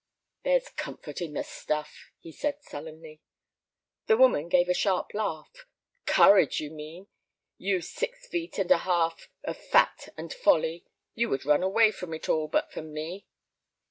"There's comfort in the stuff," he said, sullenly. The woman gave a sharp laugh. "Courage, you mean, you six feet and a half of fat and folly! You would run away from it all but for me."